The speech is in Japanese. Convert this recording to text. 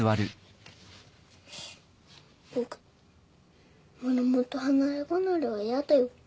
僕マルモと離れ離れはやだよ。